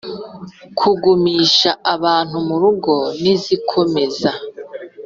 kugumisha abantu mu rugo nizikomeza